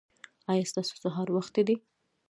ایا ستاسو سهار وختي دی؟